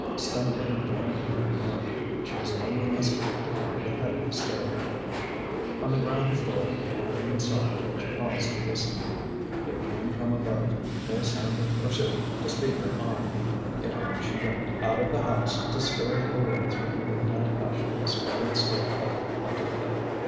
Stumbling blindly in the murk, she was none the less quick to find the head of the stairway. On the ground floor, panting and sobbing, she paused to listen. There came from above no sound of pursuit to speed her on; yet on she went, out of the house, to scurry away through the midnight hush of the squalid street like a hunted thing.